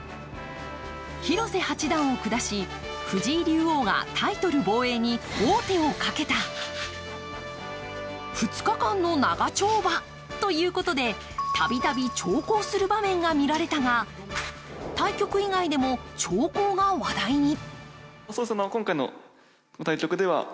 広瀬八段を下し藤井竜王がタイトル防衛に王手をかけた２日間の長丁場ということで、たびたび長考する場面が見られたが対局以外でも、長考が話題に。